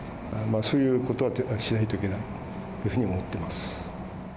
そういうことはしないといけないというふうに思っています。